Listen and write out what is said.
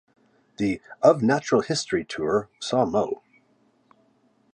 The "Of Natural History" tour saw Moe!